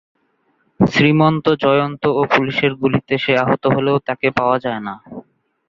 শ্রীমন্ত, জয়ন্ত ও পুলিশের গুলিতে সে আহত হলেও তাকে পাওয়া যায়না।